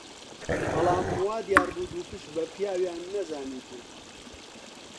بەڵام وا دیار بوو دووپشک بە پیاویان نەزانیبووین